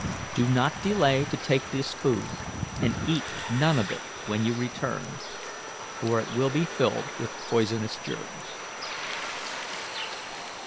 Do not delay to take this food, and eat none of it when you return, for it will be filled with poisonous germs."